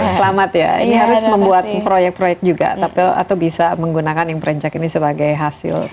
selamat ya ini harus membuat proyek proyek juga atau bisa menggunakan yang perencak ini sebagai hasil